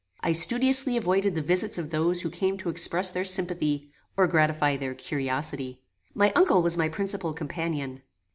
I studiously avoided the visits of those who came to express their sympathy, or gratify their curiosity. My uncle was my principal companion.